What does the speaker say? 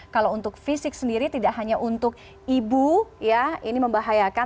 kalau untuk fisik sendiri tidak hanya untuk ibu ya ini membahayakan